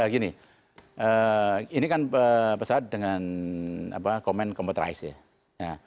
gini ini kan pesawat dengan komen komputerize ya